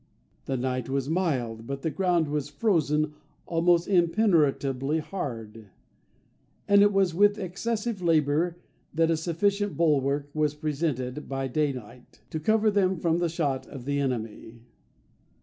The night was mild, but the ground was frozen almost impenetrably hard; and it was with excessive labour that a sufficient bulwark was presented by day light, to cover them from the shot of the enemy.